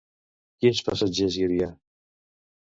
Quins passatgers hi havia?